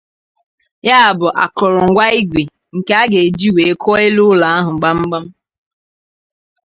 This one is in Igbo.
Ya bụ akụrụngwa ígwè nke a ga-eji wee kụọ elu ụlọ ahụ gbamgbam